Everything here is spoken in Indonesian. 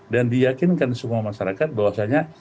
dan diyakinkan semua masyarakat bahwasanya